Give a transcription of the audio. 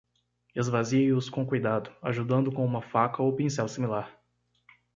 Esvazie-os com cuidado, ajudando com uma faca ou pincel similar.